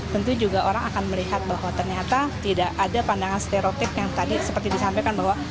tentu juga orang akan melihat bahwa ternyata tidak ada pandangan stereotip yang tadi seperti disampaikan bahwa